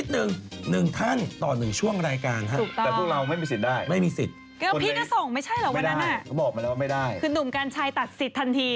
คือหนุ่มกัญชัยตัดสิทธิทันที